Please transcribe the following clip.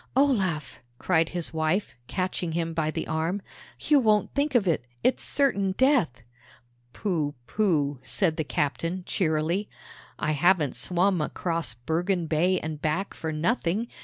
"Olaf!" cried his wife, catching him by the arm, "you won't think of it! It's certain death!" "Pooh, pooh!" said the captain, cheerily. "I haven't swum across Bergen Bay and back for nothing.